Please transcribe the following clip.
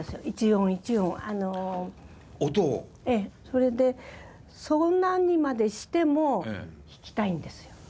それでそんなにまでしても弾きたいんですよ。